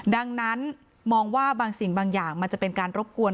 ดังนั้นมองว่าบางสิ่งบางอย่างมันจะเป็นการรบกวน